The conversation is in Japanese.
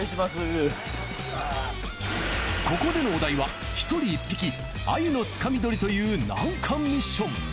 ここでのお題は１人１匹アユのつかみどりという難関ミッション。